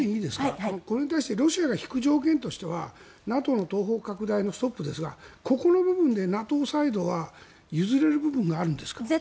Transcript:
これに対してロシアが引く条件としてはＮＡＴＯの東方拡大のストップですがここの部分でＮＡＴＯサイドは譲れる部分はあるんですか？